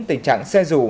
tình trạng xe dù